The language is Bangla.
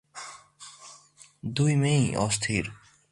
দুই মেয়েই অস্থির।